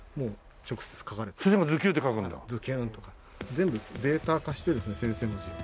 全部データ化してですね先生の字を。